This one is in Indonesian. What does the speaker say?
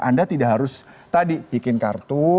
anda tidak harus tadi bikin kartu